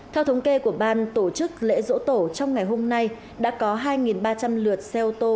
theo thống kê của ban tổ chức lễ dỗ tổ trong ngày hôm nay đã có hai ba trăm linh lượt xe ô tô